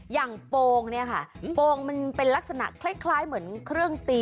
โปรงเนี่ยค่ะโปรงมันเป็นลักษณะคล้ายเหมือนเครื่องตี